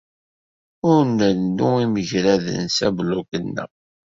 Ur nrennu imagraden s ablug-nneɣ.